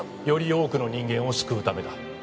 より多くの人間を救うためだ